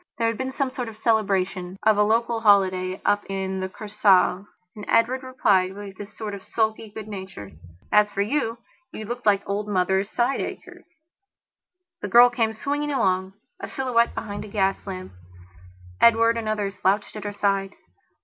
There had been some sort of celebration of a local holiday up in the Kursaal. And Edward replied with his sort of sulky good nature: "As for you, you looked like old Mother Sideacher." The girl came swinging along, a silhouette beneath a gas lamp; Edward, another, slouched at her side.